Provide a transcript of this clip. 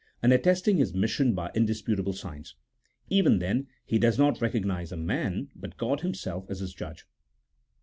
and attesting his mission by indis putable signs. Even then he does not recognize a man, but God Himself as His judge.